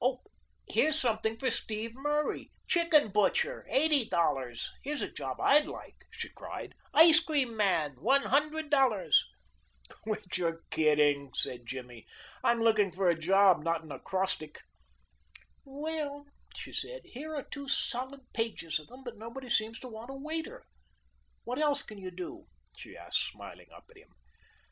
Oh, here's something for Steve Murray: chicken butcher, eighty dollars; here's a job I'd like," she cried, "ice cream man, one hundred dollars." "Quit your kidding," said Jimmy. "I'm looking for a job, not an acrostic." "Well," she said, "here are two solid pages of them, but nobody seems to want a waiter. What else can you do?" she asked smiling up at him.